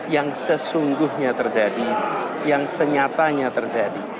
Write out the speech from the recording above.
yang sesungguhnya terjadi yang senyatanya terjadi